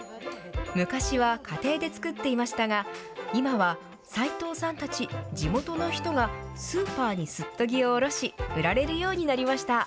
昔は家庭で作っていましたが、今は斎藤さんたち地元の人がスーパーにすっとぎをおろし、売られるようになりました。